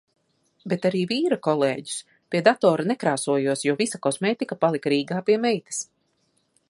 Bet arī vīra kolēģus. Pie datora nekrāsojos, jo visa kosmētika palika Rīgā pie meitas.